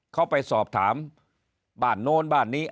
เขาไปสอบถามบ้านโน้นบ้านนี้